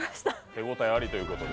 手応えありということで？